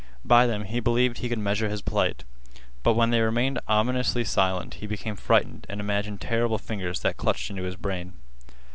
By them he believed he could measure his plight. But when they remained ominously silent he became frightened and imagined terrible fingers that clutched into his brain.